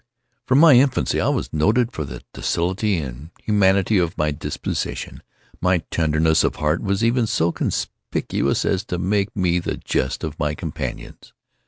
From my infancy I was noted for the docility and humanity of my disposition. My tenderness of heart was even so conspicuous as to make me the jest of my companions.